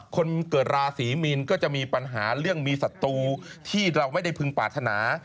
คนเกิดราศีมีนก็จะมีปัญหาเรื่องมีศัตรูที่เราไม่ได้พึงปรารถนา